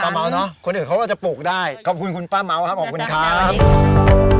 ป้าเมาเนอะคนอื่นเขาก็จะปลูกได้ขอบคุณคุณป้าเมาครับขอบคุณค่ะจัดการให้ดี